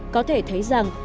có thể thấy rằng